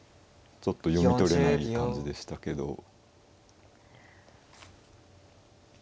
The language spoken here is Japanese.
ちょっと読み取れない感じでしたけど。